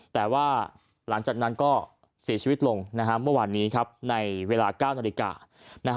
แต่ว่าหลังจากนั้นก็เสียชีวิตลงเมื่อวานนี้ครับในเวลา๙นาฬิกา